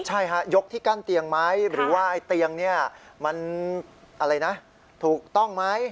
ใช่ค่ะยกที่กั้นเตียงไหมหรือว่าเตียงนี่มันถูกต้องไหม